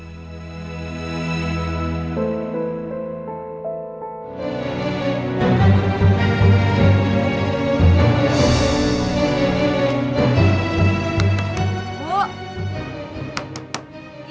tapi tetap cantik iya